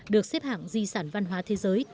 được xếp hạng di sản văn hóa thế giới